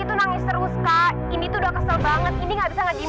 udah mungkin kapal gini tuh